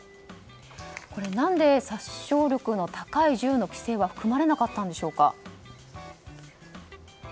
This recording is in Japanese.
何で殺傷力の高い銃の規制は組まれなかったんでしょうか。